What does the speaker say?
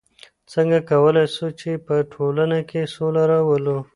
څنګه کولای سو چي په ټولنه کي سوله راولو؟